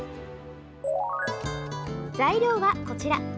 材料はこちら。